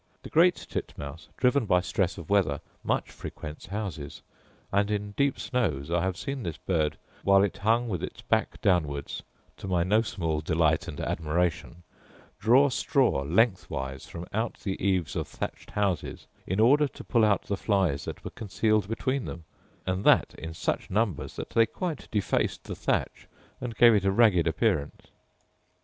The great titmouse, driven by stress of weather, much frequents houses, and, in deep snows, I have seen this bird, while it hung with its back downwards (to my no small delight and admiration), draw straw lengthwise from out the eaves of thatched houses, in order to pull out the flies that were concealed between them, and that in such numbers that they quite defaced the thatch, and gave it a ragged appearance.